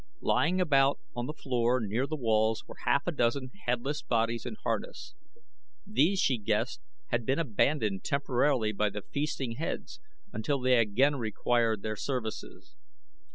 Lying about the floor near the walls were half a dozen headless bodies in harness. These she guessed had been abandoned temporarily by the feasting heads until they again required their services.